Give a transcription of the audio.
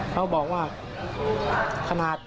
เขาก็บอกว่า